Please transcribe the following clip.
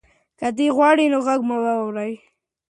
که دی وغواړي نو غږ به واوري.